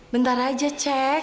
bentar aja cek